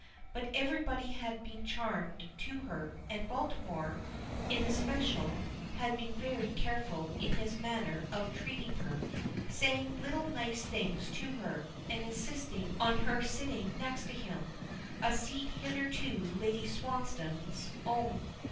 But everybody had been charming to her, and Baltimore, in especial, had been very careful in his manner of treating her, saying little nice things to her, and insisting on her sitting next to him, a seat hitherto Lady Swansdown's own.